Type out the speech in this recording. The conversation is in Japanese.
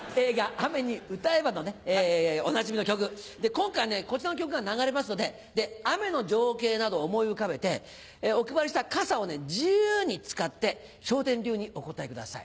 今回はねこちらの曲が流れますので雨の情景などを思い浮かべてお配りした傘を自由に使って笑点流にお答えください。